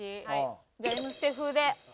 じゃあ「『Ｍステ』風」で。